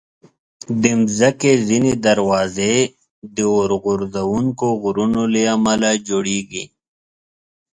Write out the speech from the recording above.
د مځکې ځینې دروازې د اورغورځونکو غرونو له امله جوړېږي.